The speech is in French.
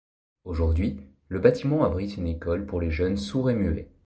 Aujourd'hui, le bâtiment abrite une école pour les jeunes sourds et muets.